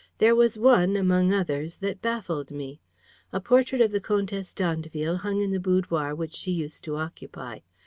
There was one, among others, that baffled me. A portrait of the Comtesse d'Andeville hung in the boudoir which she used to occupy.